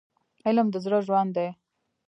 علم د زړه ژوند دی.